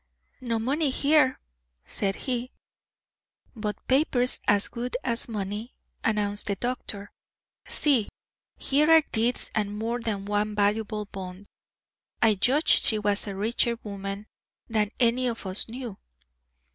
"No money here," said he. "But papers as good as money," announced the doctor. "See! here are deeds and more than one valuable bond. I judge she was a richer woman than any of us knew."